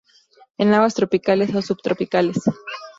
En aguas tropicales o subtropicales.